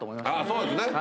そうですね。